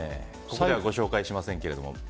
ここではご紹介しませんけども。